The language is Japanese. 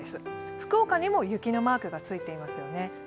福岡にも雪のマークがついていますよね。